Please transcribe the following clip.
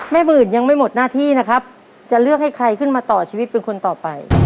หมื่นยังไม่หมดหน้าที่นะครับจะเลือกให้ใครขึ้นมาต่อชีวิตเป็นคนต่อไป